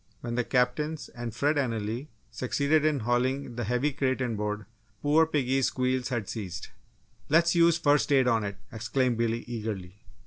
When the captains and Fred Anally succeeded in hauling the heavy crate inboard, poor piggy's squeals had ceased. "Let's use 'first aid' on it!" exclaimed Billy, eagerly.